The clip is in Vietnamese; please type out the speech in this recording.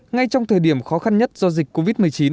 ngay trong thời điểm khó khăn nhất do dịch covid một mươi chín